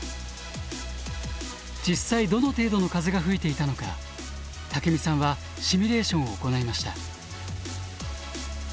実際どの程度の風が吹いていたのか竹見さんはシミュレーションを行いました。